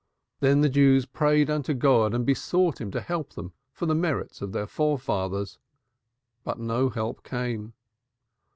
Then the Jews prayed unto God and besought him to help them for the merits of the forefathers, but no help came.